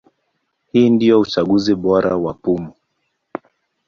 Hii ndio uchunguzi bora wa pumu.